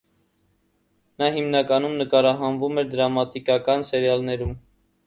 Նա հիմնականում նկարահանվում էր դրամատիկիական սերիալներում։